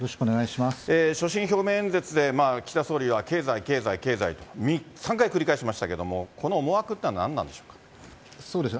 所信表明演説で岸田総理大臣が、経済、経済、経済と３回繰り返しましたけども、この思惑そうですね。